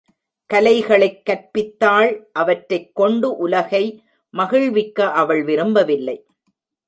கலைகளைக் கற்பித்தாள் அவற்றைக் கொண்டு உலகை மகிழ்விக்க அவள் விரும்பவில்லை.